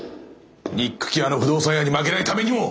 にっくきあの不動産屋に負けないためにも。